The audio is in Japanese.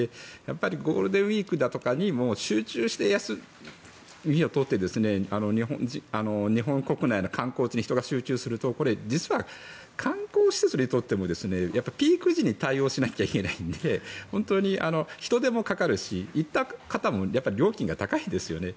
ゴールデンウィークだとかに集中して休みを取って日本国内の観光地に人が集中すると実は観光施設にとってもピーク時に対応しなきゃいけないので本当に人手もかかるし行った方も料金が高いですよね。